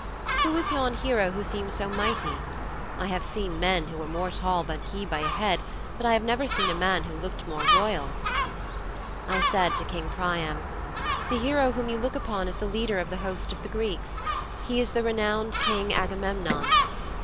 Who is yon hero who seems so mighty? I have seen men who were more tall than he by a head, but I have never seen a man who looked more royal."' 'I said to King Priam. "The hero whom you look upon is the leader of the host of the Greeks. He is the renowned King Agamemnon."'